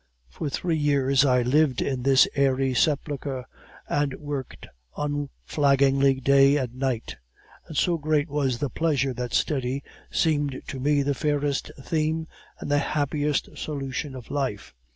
"For three years I lived in this airy sepulchre, and worked unflaggingly day and night; and so great was the pleasure that study seemed to me the fairest theme and the happiest solution of life.